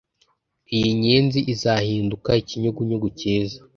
Iyi nyenzi izahinduka ikinyugunyugu cyiza